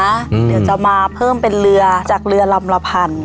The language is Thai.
เดี๋ยวจะมาเพิ่มเป็นเรือจากเรือลำละพัน